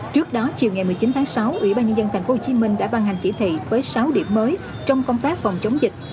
trước đó chiều ngày một mươi chín tháng sáu ủy ban nhân dân thành phố hồ chí minh đã ban hành chỉ thị với sáu điểm mới trong công tác phòng chống dịch